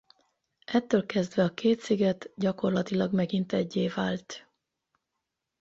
Ettől kezdve a két sziget gyakorlatilag megint eggyé vált.